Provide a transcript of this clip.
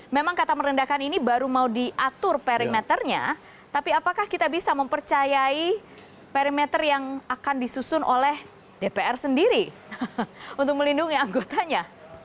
memang kata merendahkan ini baru mau diatur perimeternya tapi apakah kita bisa mempercayai perimeter yang akan disusun oleh dpr sendiri untuk melindungi anggotanya